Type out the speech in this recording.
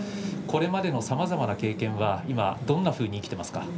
これまでのさまざまな経験は今どんなふうに生きていますか。